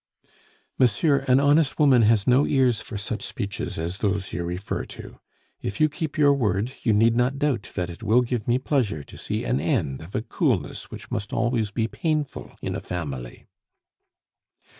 "Monsieur, an honest woman has no ears for such speeches as those you refer to. If you keep your word, you need not doubt that it will give me pleasure to see the end of a coolness which must always be painful in a family."